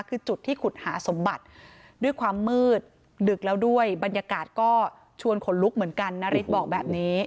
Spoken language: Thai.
คือจุดที่ขุดหาสมบัติด้วยความมืดดึกแล้วด้วยบรรยากาศก็ชวนขนลุกเหมือนกันนาริสบอกแบบนี้